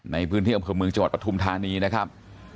ในพื้นที่อำเภอเมืองจังหวัดปฐุมธานีนะครับ